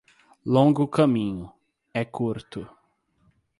Longo caminho, é curto.